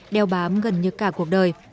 đeo bám gần như cả cuộc đời